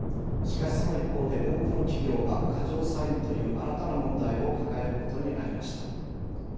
しかしその一方で多くの企業が過剰債務という新たな問題を抱えることになりました。